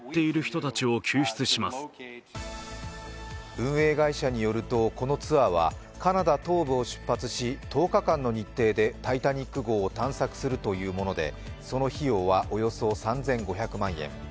運営会社によると、このツアーはカナダ東部を出発し１０日間の日程で、「タイタニック」号を探索するというもので、その費用はおよそ３５００万円。